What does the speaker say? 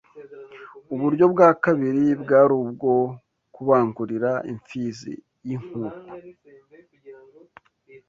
Uburyo bwa kabiri bwari ubwo kubangurira imfizi y’inkuku